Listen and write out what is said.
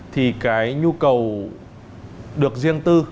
thì cái nhu cầu được riêng tư